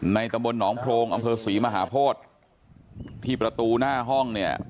ตำบลหนองโพรงอำเภอศรีมหาโพธิที่ประตูหน้าห้องเนี่ย